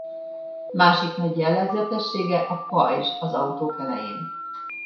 Másik nagy jellegzetessége a pajzs az autók elején.